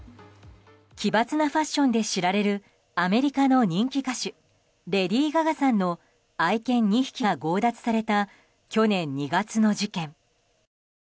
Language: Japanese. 奇抜なファッションで知られるアメリカの人気歌手レディー・ガガさんの愛犬２匹が強奪された去年２月の事件。